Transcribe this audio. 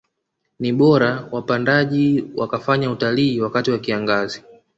Ni bora wapandaji wakafanya utalii wakati wa kiangazi